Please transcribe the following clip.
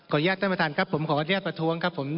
แยกท่านประธานครับผมขออนุญาตประท้วงครับผม